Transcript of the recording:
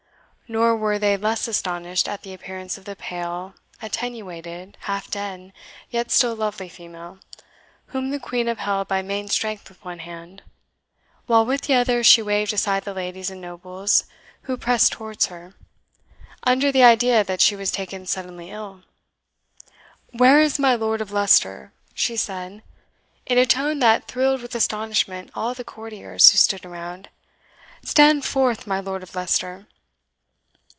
Nor were they less astonished at the appearance of the pale, attenuated, half dead, yet still lovely female, whom the Queen upheld by main strength with one hand, while with the other she waved aside the ladies and nobles who pressed towards her, under the idea that she was taken suddenly ill. "Where is my Lord of Leicester?" she said, in a tone that thrilled with astonishment all the courtiers who stood around. "Stand forth, my Lord of Leicester!"